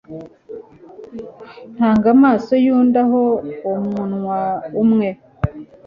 Hunga amaso yundi aho umunwa umwe